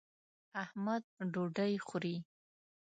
احمد ډوډۍ خوري.